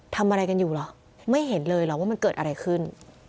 ทำอะไรกันอยู่หรอไม่เห็นเลยหรอกว่ามันเกิดอะไรขึ้น